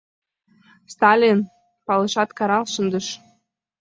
Сталин! — палышат, карал шындыш.